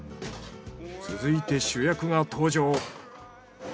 続いて主役が登場。